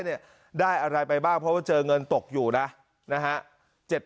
เนี่ยได้อะไรไปบ้างเพราะว่าเจอเงินตกอยู่นะนะฮะ